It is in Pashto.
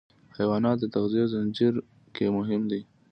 حیوانات د تغذیې زنجیر کې مهم دي.